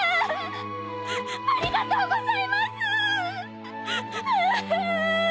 ありがとうございますぅ！